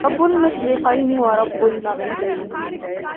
رب المشرقين ورب المغربين